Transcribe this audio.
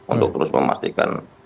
untuk terus memastikan